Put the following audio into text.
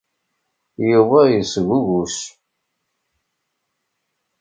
Yuba yesguguc.